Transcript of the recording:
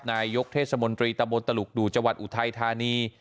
นายกเทศมนตรีตะบนตลุกดูจังหวัดอุทัยธานี